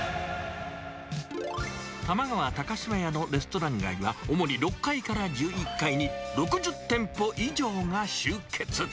玉川高島屋のレストラン街は、主に６階から１１階に６０店舗以上が集結。